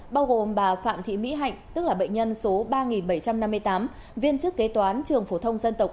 bao gồm bà phạm thị mỹ hạnh tức là bệnh nhân số ba bảy trăm năm mươi tám viên chức kế toán trường phổ thông dân tộc